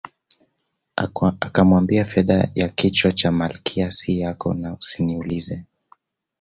Akamwambia fedha ya kichwa cha Malkia si yako na usiniulize